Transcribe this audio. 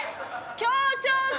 協調性！